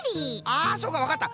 あそうかわかった！